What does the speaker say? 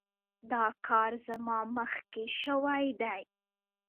دا کار زما مخکې شوی دی.